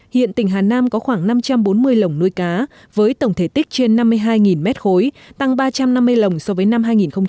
hiện tỉnh hà nam có khoảng năm trăm bốn mươi lồng nuôi cá với tổng thể tích trên năm mươi hai mét khối tăng ba trăm năm mươi lồng so với năm hai nghìn một mươi